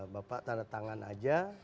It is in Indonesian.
bapak tanda tangan aja